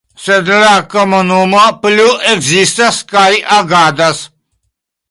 Sed la komunumo plu ekzistas kaj agadas.